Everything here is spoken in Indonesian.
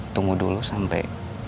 tunggu dulu sampai